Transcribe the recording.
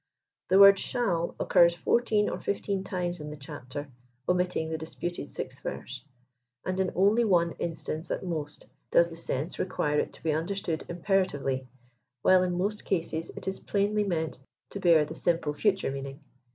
The wotd "shall" occurs fduiteeil or fifteen times in the chapter, omittilig the disputed 6th Verse* and in only one instance at most does the sense require Jt to he understood imperatively, while in most cases it is plainly meant to hear the simple future meaning.